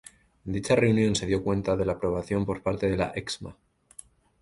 En dicha reunión se dio cuenta de la aprobación por parte de la Excma.